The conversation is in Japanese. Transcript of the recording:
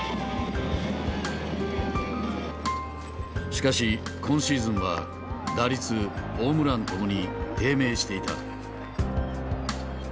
しかし今シーズンは打率ホームランともに低迷していた。